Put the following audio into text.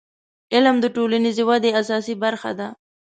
• علم د ټولنیزې ودې اساسي برخه ده.